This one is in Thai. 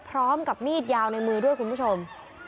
พร้อมกับมีดยาวในมือด้วยคุณผู้ชม